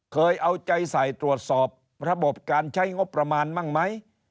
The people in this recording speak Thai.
เคยเอาใจใส่ตรวจสอบระบบการใช้งบประมาณบ้างไหม